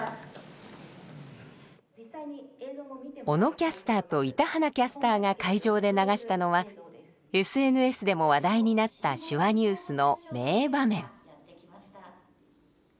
小野キャスターと板鼻キャスターが会場で流したのはＳＮＳでも話題になった「手話ニュース」の名場面。